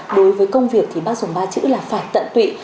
đối với công việc thì bác dùng ba chữ là phải tận tụy